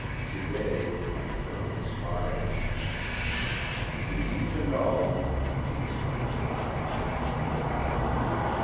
To day my term expires. To each and all, the peace that was not mine.